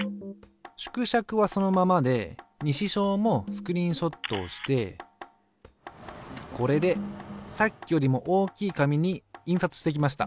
縮尺はそのままで西小もスクリーンショットをしてこれでさっきよりも大きい紙に印刷してきました。